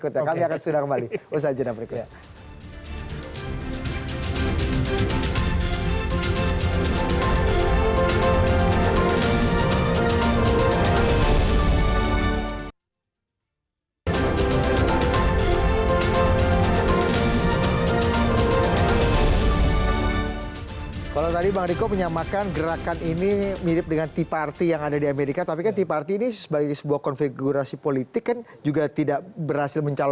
tiga tahapannya kita akan bahas di segmen berikutnya